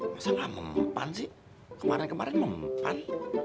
masa nggak mempan sih kemarin kemarin mempan